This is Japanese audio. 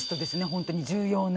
本当に重要な。